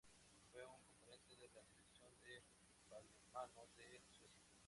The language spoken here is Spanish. Fu un componente de la Selección de balonmano de Suecia.